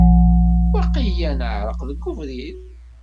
Waqila neɛreq deg ubrid.